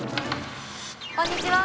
こんにちは。